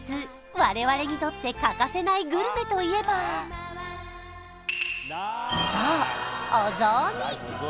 我々にとって欠かせないグルメといえばそうお雑煮！